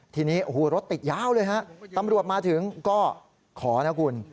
ทีนี้โอ้โหรถติดยาวเลยฮะตำรวจมาถึงก็ขอนะคุณ